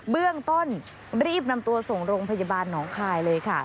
เบื้องต้นรีบนำตัวส่งโรงพยาบาลหนองคายเลยค่ะ